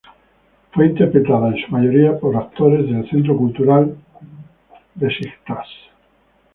Fue interpretada, en su mayoría, por actores del Centro Cultural Beşiktaş.